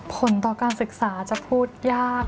ผลต่อการศึกษาจะพูดยาก